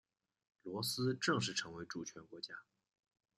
罗斯正式成为主权国家。